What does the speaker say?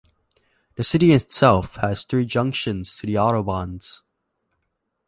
The city itself has three junctions to the autobahns.